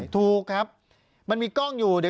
ปากกับภาคภูมิ